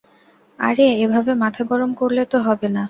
আরে, এভাবে মাথা গরম করলে তো হবে না।